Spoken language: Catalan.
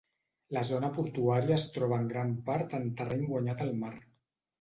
La zona portuària es troba en gran part en terreny guanyat al mar.